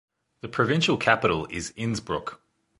The provincial capital is Innsbruck.